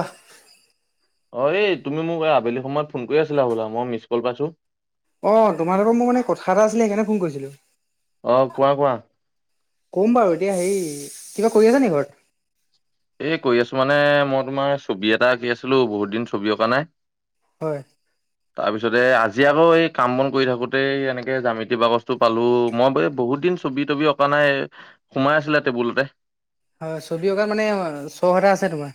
অহ অ এই তুমি মোক এই আবেলি সময়ত ফোন কৰি আছিলা হবলা মই মিচ কল পাইছো অ তোমাৰ মোৰ মানে কথা এটা আছিলে সেইকাৰণে ফোন কৰিছিলো অ কোৱা কোৱা ক'ম বাৰু এতিয়া হেৰি কিবা কৰি আছা নেকি ঘৰত এই কৰি আছো মানে মই তোমাৰ ছবি এটা আঁকি আছিলো বহুত দিন ছবি অঁকা নাই হয় [unintelligible] তাৰ পিছতে আজি আকৌ এই কাম বন কৰি থাকোতেই এনেকে জামেতি বাকছটো পালো মই বোলো বহুত দিন ছবি তবি অকা নাই সোমাই আছিলে টেবুলতে অ ছবি অঁকা মানে চক এটা আছে তোমাৰ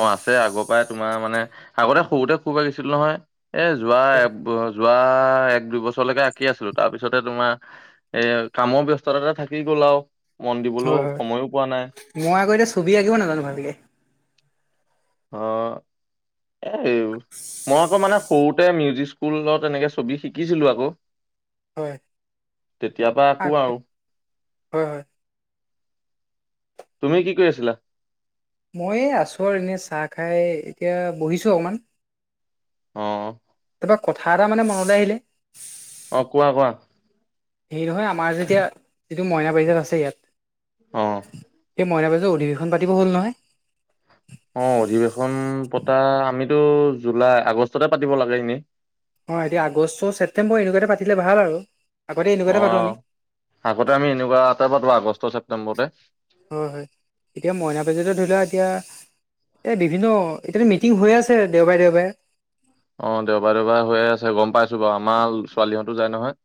অ আছে আগৰ পৰাই তোমাৰ মানে আগতে সৰুতে ফুৰবা গিছিলো নহয় এ যোৱা যোৱা এক দুই বছৰলৈকে আঁকি আছিলো তাৰপিছতে তোমাৰ এ কামৰ ব্যস্ততাতে থাকি গ'ল আৰু মন দিবলৈও হয় হয় সময়ো পোৱা নাই মই আক এতিয়া ছবি আঁকিব নাজানো ভালকে অ এই মই আক মানে সৰুতে মিউজিক স্কুলত এনেকে ছবি শিকিছিলো আক হয় পৰা আকৌ আচ্ছা আৰু হয় তুমি কি কৰি আছিলা মই এই আছোঁ আৰু এনেই চাহ খাই এতিয়া বহিছোঁ অকণমান। অ তাৰপৰা কথা এটা মানে মনলে আহিলে অ কোৱা কোৱা। হেৰি নহয় আমাৰ যেতিয়া যিটো মইনা পাৰিজাত আছে ইয়াত অ'। সেই মইনা পাৰিজাতৰ অধিৱেশন পতিবৰ হ'ল নহয়। অ' অধিৱেশন পতা আমিতো জুলাই আগষ্টতে পাতিব লাগে এনেই। অ', এতিয়া আগষ্ট ছেপ্টেম্বৰ এনেকুৱাতে পাতিলে ভাল আৰু। আগতে এনেকুৱাতে পাতো আমি অ', আগতে আমি এনেকুৱাতে পাটো আগষ্ট ছেপ্তেম্বৰতে। হয়-হয়, এতিয়া মইনা পাৰিজাতৰ ধৰি লোৱা এতিয়া এই বিভিন্ন এতিয়াটো মিটিং হৈ আছে দেওবাৰে- দেওবাৰে। অ', দেওবাৰে- দেওবাৰে হৈয়ে আছে গম পাইছু বাৰু আমাৰ ল ছোৱালীহঁতে যায় নহয়।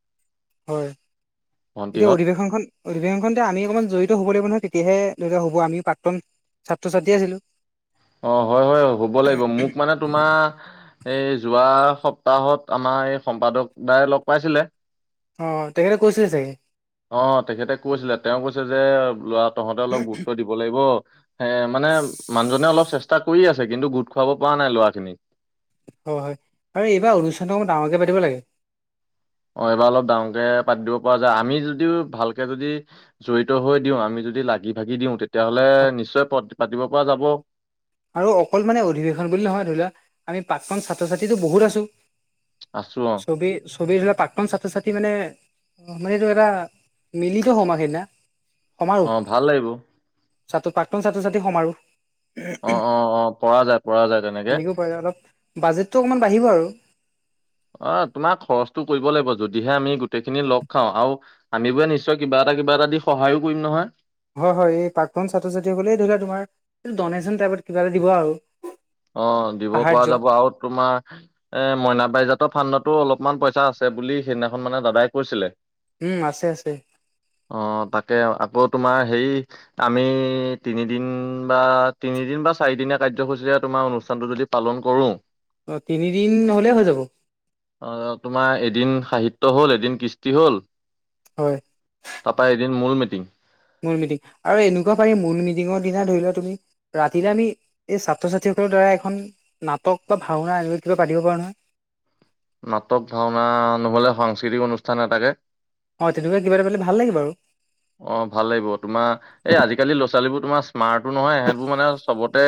হয়, এতিয়া ভন্টিহঁত অধিৱেশনখন অধিবেশনখনতে আমি অকমান জড়িত হ'ব লাগিব নহয়, তেতিয়াহে ধৰি লওক হ'ব আমিও প্ৰাক্তন ছাত্ৰ-ছাত্ৰী আছিলো। অ', হয়-হয়, হ'ব লাগিব। মোক মানে তোমা এই যোৱা সপ্তাহত আমাৰ এই সম্পাদক দাই লগ পাইছিলে। অ', তেখেতে কৈছিলে চাগে? অ', তেখেতে কৈছিলে, তেওঁ কৈছে যে ল'ৰা তহঁতে অলপ গুৰুত্ব দিব লাগিব। সে মানে মানুহজনে অলপ চেষ্টা কৰি আছে কিন্তু গোট খোৱাব পৰা নাই ল'ৰা খিনিক। অ', হয়, আৰু এইবাৰ অনুষ্ঠানটো অকন ডাঙৰকে পাতিব লাগে। অ', এইবাৰ অলপ ডাঙৰকে পাতি দিব পৰা যায়। আমি যদিও ভালকে যদি জড়িত হৈ দিওঁ, আমি যদি লাগি ভাগি দিওঁ, তেতিয়াহলে নিশ্চয় পত পাতিব পৰা যাব। আৰু অকল মানে অধিৱেশন বুলি নহয়, ধৰি লোৱা আমি পাক্তন ছাত্ৰ-ছাত্ৰীটো বহুত আছো। আছো অ' ছবেই ছবেই ধৰি লোৱা, প্ৰাক্তন ছাত্ৰ- ছাত্ৰী মানে অ', মানে এইটো এটা মিলিত হম আৰু সেইদিনা। সমাৰোহ, অ ভাল লাগিব সাত প্ৰাক্তন ছাত্ৰ-ছাত্ৰী সমাৰোহ। অ', অ', অ', পৰা যায় পৰা যায় তেনেকে। তেনেকেও পাৰে অলপ বাজেটটো অকণমান বাঢ়িব আৰু অ', তোমাৰ খৰচটো কৰিব লাগিব, যদিহে আমি গোটেইখিনি লগ খাওঁ। আৰু আমি বোৰে নিশ্চয় কিবা এটা কিবা এটা দি সহায়ো কৰিম নহয়? হয়-হয়, এই প্ৰাক্টন ছাত্ৰ ছাত্ৰীসকলে এই ধৰি লোৱা তোমাৰ ডনেশ্যন টাইপত কিবা এটা দিব আৰু। অ', দিব পৰা সাহাৰ্য যাব, আৰু তোমাৰ এ মইনা পাৰিজাতৰ ফাণ্ডতো অলপমান পইচা আছে বুলি সেইদিনাখন মানে দাদাই কৈছিলে। উম, আছে -আছে। অ', তাকে আও আকৌ তোমাৰ হেৰি আমি তিনিদিন বা তিনিদিন বা চাৰি দিনৰীয়া কাৰ্যসূচীৰে তোমাৰ অনুষ্ঠানতটো যদি পালন কৰো। অ', তিনিদিন হলে হৈ যাব। অ', তোমাৰ এদিন সাহিত্য হ'ল এদিন কৃষ্টি হ'ল। হয়। তাৰপৰা এদিন মূল মিটিং। মূল মিটিং, আৰু এনেকুৱা পাৰি মূল মিটিঙৰ দিনা ধৰি লোৱা তুমি ৰাতিলে আমি এই ছাত্ৰ-ছাত্ৰী সকলৰ দ্বাৰা এখন নাটক বা ভাওনা এনেকুৱা কিবা পাতিব পাৰো নহয়। নাটক, ভাওনা নহ'লে সাংস্কৃতিক অনুষ্ঠান এটাকে অ', তেনেকুৱা কিবা এটা পাটিলে ভাল লাগিব আৰু। অ' ভাল লাগিব, তোমাৰ এই আজিকালি লৰা-ছোৱালীবোৰ তোমাৰ স্মাৰ্টো নহয়, এহেতবোৰ মানে চবতে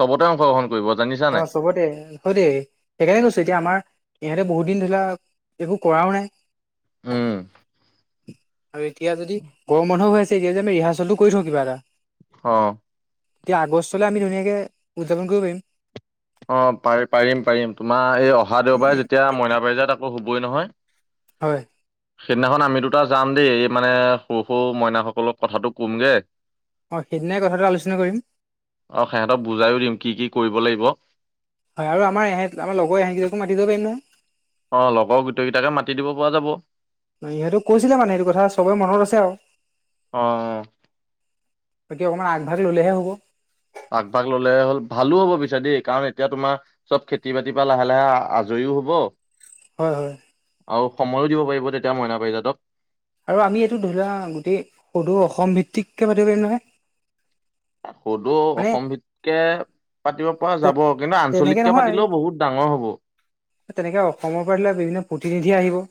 চ'বতে অংশ গ্ৰহণ কৰিব জানি চ অ, চবতে, কয় দে। সেইকাৰণে কৈছো এতিয়া আমাৰ, ইহঁতে বহুত দিন ধৰি লোৱা একো কৰাও নাই। উম, আৰু এতিয়া যদি গৰম বন্ধ হৈ আছে, এতিয়া যদি আমি ৰিহাৰ্চেলটো কৰি থওঁ কিবা এটা। অ, এতিয়া আগষ্টলৈ আমি ধুনীয়াকে, উদযাপন কৰিব পাৰিম। অ, পাৰিম, পাৰিম, পাৰিম তোমাৰ এই অহা দেওবাৰে, যেতিয়া মইনা পাৰি যাত আকৌ হ'বয়ে নহয়। হয়। সেইদিনাখন আমি দুটা যাম দেই, এই মানে সৰু, সৰু মইনাসকলক কথাটো ক'মগৈ। অ, সেইদিনাই কথাটো আলোচনা কৰিম। অ, সিহঁতক বুজাইও দিম, কি কি কৰিব লাগিব। হয়, আৰু আমাৰ, এহেত আমাৰ লগৰ ইহঁতকেইটাকো মাতি দিব পাৰিম নহয়। অ, লগৰ গোটেই কেইটাকে মাতি দিব পৰা যাব। সিহঁতেও কৈছিলে মানে এইটো কথা, চবৰে মনত আছে আৰু। অ, বাকী অকমান আগভাগ ল'লে হে হ'ব। আগভাগ ল'লে হ'ল, ভালো হ'ব পিছে দেই কাৰণ, এতিয়া তোমাৰ চ'ব খেতি বাতিৰ পৰা লাহে, লাহে আজৰিও হ'ব। হয়, হয়। আৰু সময়ো দিব পাৰিব, তেতিয়া মইনা পাৰিজাতক। আৰু আমি এইটো ধৰি লোৱা, গোটেই সদৌ অসম ভিত্তিককে পাতিব পাৰিম নহয়। সদৌ মানে অসম ভিত্তিকে পাতিব পৰা যাব কিন্তু তেনেকে আঞ্চলিককে নহয় পাতিলেও বহুত ডাঙৰ হ'ব। তেনেকে অসমৰ পৰা ধৰি লোৱা, বিভিন্ন প্ৰতিনিধি আহিব।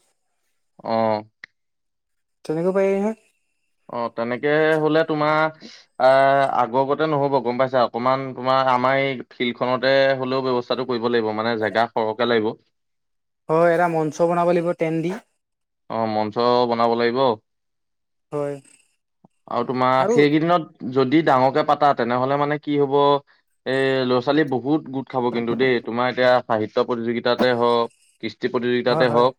অ, তেনেকৈ পাৰি নহয়। অ, তেনেকে হ'লে তোমাৰ অ, আগবতে নহ'ব, গম পাইছা অকনমান তোমাৰ আমাৰ এই ফিল্ড খনতে হ'লেও ব্যৱস্থা ব্যবস্থাটো কৰিব লাগিব মানে, জেগা সৰহকে লাগিব। হয়, এটা মঞ্চ বনাব লাগিব তেন্ত দি। অ, মঞ্চ বনাব লাগিব, হয় আৰু তোমাৰ আৰু সেইকেইদিনত যদি ডাঙৰকে পাতা, তেনেহ'লে মানে কি হ'ব। এ, ল'ৰা-ছোৱালীয়ে বহুত গোট খাব কিন্তু দেই, তোমাৰ এতিয়া সাহিত্য প্ৰতিযোগিতাতে হ'ওক। কৃষ্টি হয় প্ৰতিযোগিতাতে হয় হ'ওক।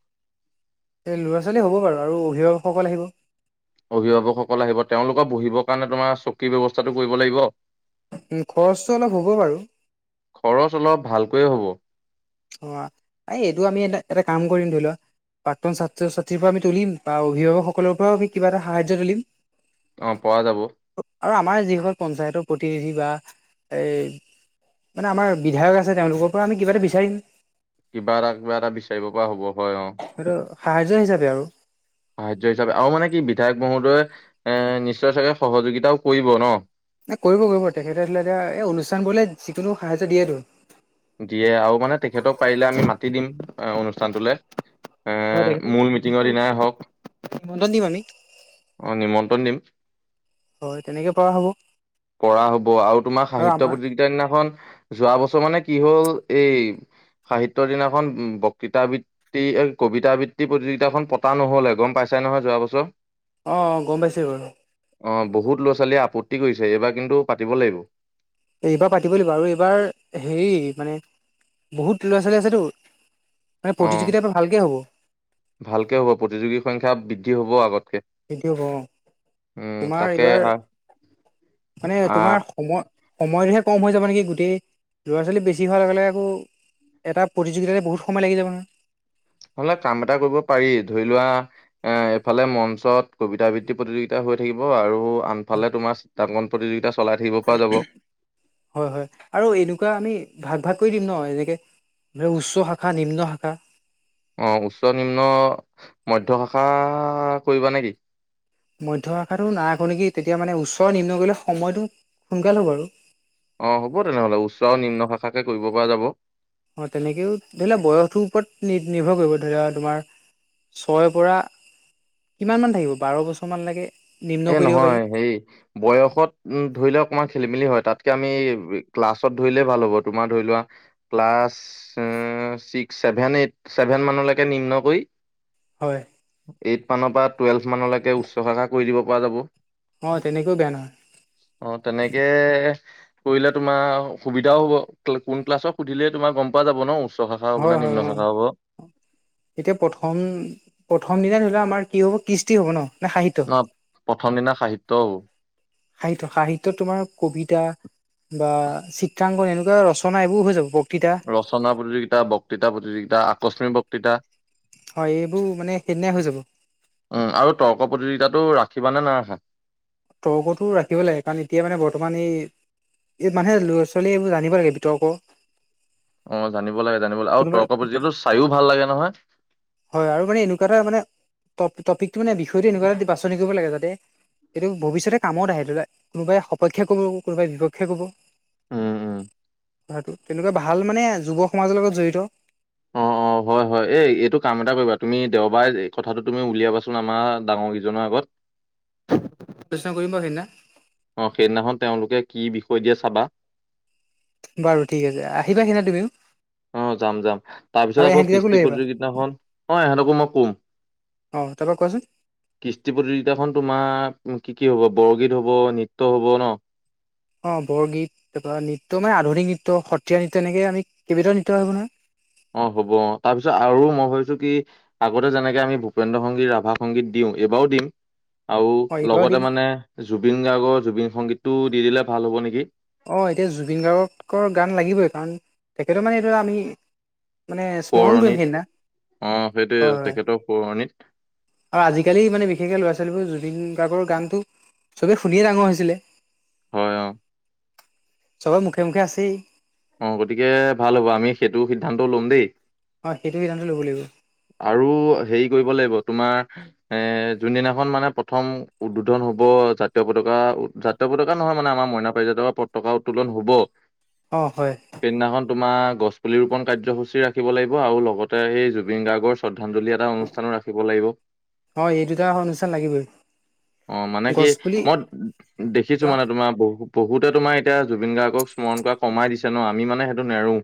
এই ল'ৰা- ছোৱালী হ'ব বাৰু আৰু অভিভাৱকসকল আহিব। অভিভাৱকসকল আহিব, তেওঁলোকৰ বহিবৰ কাৰণে তোমাৰ চকী ব্যৱস্থাটো কৰিব লাগিব। উম, খৰচটো অলপ হ'ব বাৰু। খৰচ, অলপ ভালকৈয় হ'ব। অ, এই, এইটো আমি এ, এটা কাম কৰিম ধৰি লোৱা। প্ৰাক্তন ছাত্ৰ-ছাত্ৰীৰ পৰা তুলিম বা অভিভাৱকসকলৰ পৰাও আমি কিবা এটা সাহায্য তুলিম। অ, পৰা যাব। আৰু আমাৰ যিসকল পঞ্চায়তৰ প্ৰতিনিধি বা এই মানে আমাৰ বিধায়ক আছে, তেওঁলোকৰ পৰা আমি কিবাটা বিচাৰিম। কিবা এটা, কিবা এটা, বিচাৰিব পৰা হ'ব হয়, অ'। সেইটো সাহায্য হিচাপে আৰু। সাহায্য হিচাপে আৰু মানে কি বিধায়ক মহোদয়ে এ, নিশ্চয় চাগে সহযোগিতাও কৰিব ন। এ, কৰিব, কৰিব তেখেতে আছিলে এতিয়া এই অনুষ্ঠানবোৰলে যিকোনো সাহায্য দিয়েইেতো। দিয়ে আৰু মানে তেখেতক পাৰিলে আমি মাতি দিম অনুষ্ঠানটোলে এ হয় মূল মিটিঙৰ দিনাই হওক নিমন্ত্ৰণ দিম আমি অঁ নিমন্ত্ৰণ দিম হয় তেনেকে পৰা হ'ব কৰা হব আৰু তোমাৰ আৰু সাহিত্য আমাৰ প্ৰতিযোগিতা দিনাখন যোৱা বছৰ মানে কি হল এই সাহিত্যৰ দিনাখন বক্তৃতা আবৃতি এই কবিতা আবৃত্তি প্ৰতিযোগিতাখন পতা নহ'ল গম পাইছাই নহয় যোৱা বছৰ অ গম পাইছে বাৰু অ বহুত ল'ৰা ছোৱালীয়ে আপত্তি কৰিছে এইবাৰ কিন্তু পাতিব লাগিব এইবাৰ পাতিব লাগিব আৰু এইবাৰ হেৰি মানে বহুত ল'ৰা, ছোৱালী আছেতো মানে অ প্ৰতিযোগিতা এবাৰ ভালকে হ'ব। ভালকে হ'ব, প্ৰতিযোগীৰ সংখ্যা বৃদ্ধি হ'ব আগতকে। সেইটোও অ, উম তোমাৰ তাকে এইবাৰ মানে আহ তোমাৰ সময় সময়টোহে কম হৈ যাব নেকি গোটেই ল'ৰা ছোৱালী বেছি হোৱাৰ লগে লগে আকৌ এটা প্ৰতিযোগিতাতে বহুত সময় লাগি যাব নহয় নহলে কাম এটা কৰিব পাৰি ধৰি লোৱা এ এফালে মঞ্চত কবিতা আবৃত্তি প্ৰতিযোগিতা হৈ থাকিব আৰু আন দুয়োফালে তোমাৰ চিত্ৰাংকন প্ৰতিযোগিতা চলাই থাকিব পৰা যাব হয় হয় আৰু এনেকুৱা আমি ভাগ ভাগ কৰি দিম ন এনেকে উচ্চ শাখা নিম্ন শাখা অ উচ্চ নিম্ন মধ্য শাখা কৰিব নেকি মধ্য শাখাটো নাৰাখো নেকি তেতিয়া মানে উচ্ছ নিম্ন কৰি লে সময়টো সোনকালে হ'ব বাৰু অ হ'ব তেনেহ'লে উচ্চ আৰু নিম্ন শাখাকে কৰিব পৰা যাব অ তেনেকেও ধৰি লোৱা বয়সৰ ওপৰত নি নিৰ্ভৰ কৰিব ধৰি লোৱা তোমাৰ ছয়ৰ পৰা কিমান মান থাকিব বাৰ বছৰ মান লৈকে এ নহয় হেৰি বয়সত ধৰি লোৱা অকণমান খেলি মেলি হয় তাতকে আমি ক্লাছত ধৰিলে ভাল হ'ব তোমাৰ ধৰি লোৱা class six seven eight seven মানলৈকে নিম্ন কৰি হয় এইট মানৰ পৰা টুৱেলভ মানলৈকে উচ্চ শাখা কৰি দিব পৰা যাব হয় তেনেকৈও বেয়া নহয় অ তেনেকে কৰিলে তোমাৰ সুবিধাও হ'ব কোন ক্লাছক সুধিলে তোমাৰ গম পোৱা যাব ন উচ্চ শাখা হব নহয় নে হয় নিম্ন হয় অ শাখা হ'ব এতিয়া প্ৰথম প্ৰথম দিনা ধৰিলেও আমাৰ কি হ'ব কৃস্তি হ'ব ন নে সাহিত্য ন প্ৰথম দিনা সাহিত্য হ'ব সাহিত্য সাহিত্যত তোমাৰ কবিতা বা চিত্ৰাংকন এনেকুৱা ৰচনা এইবোৰ হৈ যাব বক্তৃতা ৰচনা প্ৰতিযোগিতা বক্তৃতা প্ৰতিযোগিতা আকস্মিক বক্তৃতা হয় এইবোৰ মানে সেইদিনাই হৈ যাব উম' আৰু তৰ্ক প্ৰতিযোগিতাতো ৰাখিবানে নাৰাখা? তৰ্কতো ৰাখিব লাগে কাৰণ এতিয়া মানে বৰ্তমান এই- এই মানে লৰা ছোৱালীয়ে এইবোৰ জানিব লাগে বিতৰ্ক- অঁ জানিব লাগে জানিব লাগে আৰু কোনোবা তৰ্ক প্ৰতিযোগিতাতো চাইও ভাল লাগে নহয়। হয়, আৰু মানে এনেকুৱা এটা মানে টপিকটো মানে বিষয়টো এনেকুৱা বাছনি কৰিব লাগে যাতে- এইটো ভৱিষ্যতে কামত আহে কোনোবাই সপক্ষে ক'ব কোনোবাই বিপক্ষে ক'ব। উম উম'। হয়টো, তেনেকুৱা ভাল মানে যুৱ সমাজৰ লগত জড়িত- অঁ অঁ ঘত- অঁ হয়, এইটো কাম এটা কৰিবা তুমি দেওবাৰে কথাটো তুমি উলিয়াবাচোন আমাৰ ডাঙৰকেইজনৰ আগত। বিচাৰ কৰিম বাৰু সেইদিনা। অঁ, সেইদিনাখন তেওঁলোকে কি বিষয় দিয়ে চাবা। বাৰু ঠিক আছে। আহিবা সেইদিনা তুমিও। অঁ' যাম, যাম। তাৰ পিছত আৰু আকৌ এহেঁতকেইটাকো লৈ কৃষ্টি আহিবা প্ৰতিযোগিতাখন অঁ, এহেতঁকো মই ক'ম। অঁ' তাপা কোৱাচোন। কৃষ্টি প্ৰতিযোগিতাখন তোমাৰ কি কি হ'ব বৰগীত হ'ব, নৃত্য হ'ব ন। অঁ' বৰগীত তাপা নৃত্য মানে আধুনিক নৃত্য সত্ৰীয়া নৃত্য এনেকে আমি কেইবাটাও নৃত্য আহিব নহয়। অঁ' হ'ব অঁ, তাৰপিছত আৰু মই ভাবিছোঁ কি? আগতে যেনেকে আমি ভূপেন্দ্ৰ সংগীত ৰাভা সংগীত দিওঁ এইবাৰো দিম। আৰু অ এইবাৰো লগতে দিম মানে জুবিন গাৰ্গৰ জুবিন সংগীতটো দি দিলে ভাল হ'ব নেকি। অ এতিয়া জুবিন গাৰ্গৰ গান লাগিবই কাৰণ তেখেতৰ মানে এইটো আমি- মানে স্মৰণ কৰিম সোঁৱৰণিত সেইদিনা। হয় হয়। তোকণিত। আৰু আজিকালি মানে বিশেষকে ল'ৰা ছোৱালীবোৰ জুবিন গাৰ্গৰ গানটো চবে শুনিয়ে ডাঙৰ হৈছিলে। হয়, অঁ'। চবে মুখে, মুখে আছেই। অঁ, গতিকে ভাল হ'ব! আমি সেইটো সিদ্ধান্তও ল'ম দেই। অঁ, সেইটো সিদ্ধান্তও ল'ব লাগিব। আৰু হেৰি কৰিব লাগিব তোমাৰ- এঁ যোনদিনাখন মানে প্ৰথম উদ্বোধন হ'ব জাতীয় পতাকা উঠাত- তীয় পতাকা নহয় মানে আমাৰ মইনা পাৰিজাত পৰা পতকা উত্তোলন হ'ব। অঁ, হয়। সেইদিনাখন তোমাৰ গছপুলি ৰোপন কাৰ্যসূচী ৰাখিব লাগিব আৰু লগতে সেই জুবিন গাৰ্গৰ শ্ৰদ্ধাঞ্জলি এটা অনু- স্থানো, ৰাখিব লাগিব। অঁ', এই দুটা অনুষ্ঠান লাগিবই। অঁ' মানে কি গছপুলি মই দেখিছোঁ, মানে তোমাৰ বহুত- বহুতে তোমাৰ এতিয়া জুবিন গাৰ্গক স্মৰণ কৰা কমাই দিছে ন আমি মানে সেইটো নেৰোঁ।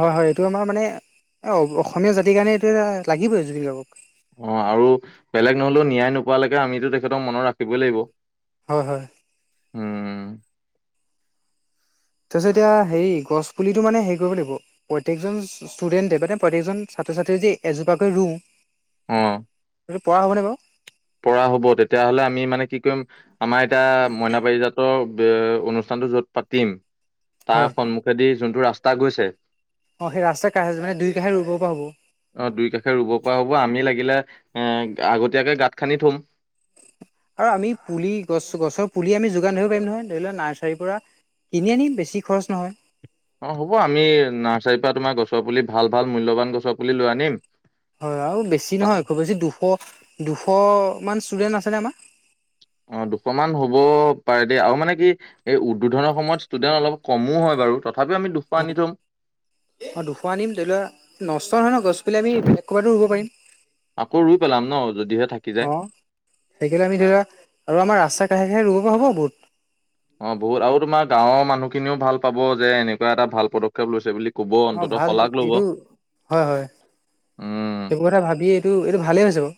হয়, হয়, এইটো আমাৰ মানে এ অসমীয়া জাতিৰ কাৰণে এইটো এটা লাগিবই জুবিন গাৰ্গক। অঁ', আৰু বেলেগ নহ'লেও ন্যায় নোপোৱালৈকে আমিতো তেখেতক মনত ৰাখিবই লাগিব। হয়, হয়। উম তাপিছত এতিয়া হেৰি গছপুলিটো মানে হেৰি কৰিব লাগিব‌, প্ৰত্যেকজন- ষ্টুডেণ্টে মানে প্ৰত্যেকজন ছাত্ৰ ছাত্ৰীয়ে যদি এজোপাকৈ ৰুওঁ- অঁ' সেটো পৰা হ'বনে বাৰু। পৰা হ'ব। তেতিয়াহ'লে আমি মানে কি কৰিম, আমাৰ এতিয়া মইনা পাৰিজাতৰ- এ অনুষ্ঠানটো য'ত পাতিম, হয় তাৰ সন্মুখেদি যোনটো ৰাস্তা গৈছে অ' সেই ৰাস্তা কাষে মানে দুইকাষে ৰুব পৰা হ'ব অ' দুইকাষে ৰুব পৰা হ'ব আমি লাগিলে এ আগতীয়াকে গাঁত খান্দি থম আৰু আমি পুলি গছ গছৰ পুলি আমি যোগান ধৰিব পাৰিম নহয় ধৰি লোৱা নাৰ্চাৰীৰ পৰা কিনি আনিম বেছি খৰচ নহয় অ', হ'ব আমি নাৰ্চাৰীৰ পৰা তোমাৰ গছৰ পুলি ভাল ভাল মূল্যবান গছৰ পুলি লৈ আনিম! হয় আৰু বেছি নহয় খুব বেছি দুশ, দুশ মান ষ্টুডেন্ট আছেনে আমাৰ অ' দুশমান হ'ব পাৰে দেই আৰু মানে কি এই উদ্বোধনৰ সময়ত ষ্টুডেন্ট অলপ কমো হয় বাৰু তথাপিও আমি দুশ অ আনি থম অ' দুশ আনিম ধৰি লোৱা নষ্ট নহয় ন গছ পুলি আমি ক'ৰবাতো ৰুব পাৰিম আকৌ ৰুই পেলাম ন যদিহে থাকি যায় সেইকাৰে আমি ধৰা আৰু আমাৰ ৰাস্তা কাষে, কাষে ৰুব পৰা হ'ব বহুত অ' বহুত আৰু তোমাৰ গাঁৱৰ মানুহখিনিও ভাল পাব, যে এনেকোৱা এটা ভাল পদক্ষেপ লৈছে বুলি কব অ অন্তত ভাল শলাগ লব এইটো হয় হয় উম এইবোৰ কথা ভাবি এইটো, এইটো ভালেই হৈছে বাৰু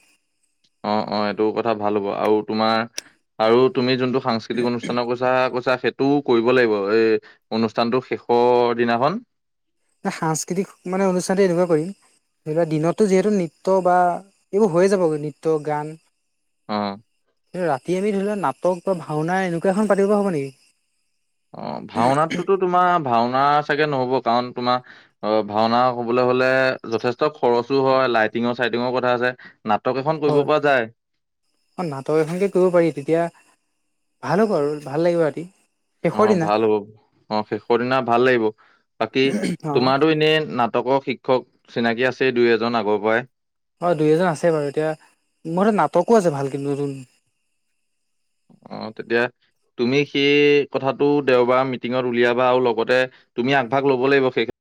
অ অ এইটো কথা ভাল হ'ব আৰু তোমাৰ আৰু তুমি যোনটো সাংস্কৃতিক অনুষ্ঠানৰ কৈছা কৈছা সেই টো কৰিব লাগিব এই অনুষ্ঠানটোৰ শেষৰ দিনাখন এটা সাংস্কৃতিক মানে অনুষ্ঠানতে এনেকোৱা কৰিম সেইকাৰণে দিনতো যিহেতু নৃত্য বা এইবোৰ হৈয়েই যাবগৈ নৃত্য গান অ ৰাতি আমি ধৰি লোৱা নাটক বা ভাওনা এনেকোৱা এখন পাতিব পাৰি অ, ভাওনাটোতো তোমাৰ ভাওনা চাগে নহ'ব কাৰণ তোমাৰ- অ' ভাওনা হ'বলৈ হ'লে যথেষ্ট খৰচো হয়, লাইটিঙৰ-চাইটিঙৰ কথা আছে। নাটক এখন কৰিব হয় পৰা যায়। অ' নাটক এখনদি কৰিব পাৰি তেতিয়া ভাল হ'ব আৰু ভাল লাগিব ৰাতি। অ শেষৰ দিনা ভাল হ'ব অ শেষৰ দিনা ভাল লাগিব। বাকী অ তোমাৰতো এনে না চবৰ শিক্ষক চিনাকি আছে দুই-এজন আগৰ পৰাই। হয়, দুই-এজন আছে বাৰু এতিয়া মোৰ নাটকো আছে ভাল কিন্তু নতুন। অ', তেতিয়া তুমি সেই কথাটো দেওবাৰ মিটিঙত উলিয়াবা আৰু লগতে তুমি আগভাগ ল'ব লাগিব সেই